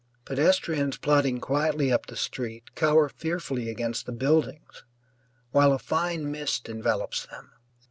Pedestrians plodding quietly up the street cower fearfully against the buildings, while a fine mist envelops them.